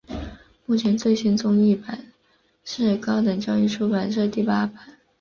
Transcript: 目前最新中译版是高等教育出版社第八版。